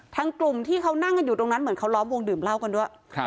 กลุ่มที่เขานั่งกันอยู่ตรงนั้นเหมือนเขาล้อมวงดื่มเหล้ากันด้วย